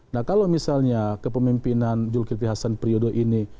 nah kalau misalnya kepemimpinan julkir fihasan priyodo ini